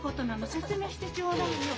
説明してちょうだいよ。